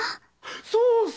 そうさ！